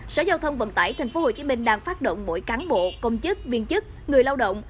sở giao thông vận tải tp hcm đang phát động mỗi cán bộ công chức viên chức người lao động